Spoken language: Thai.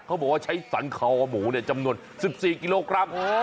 บอกว่าใช้สรรคอหมูจำนวน๑๔กิโลกรัม